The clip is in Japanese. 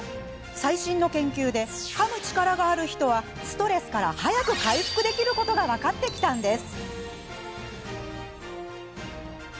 最新の研究で、かむ力がある人はストレスから早く回復できることが分かってきたんです。